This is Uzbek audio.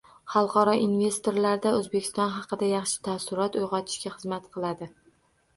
Xalqaro investorlarda O‘zbekiston haqida yaxshi taassurot uyg‘otishiga xizmat qiladi.